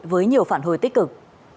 với nhiều phản hồi tích cực